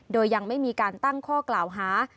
โดยยังไม่มีการตั้งข้อกล่าวหา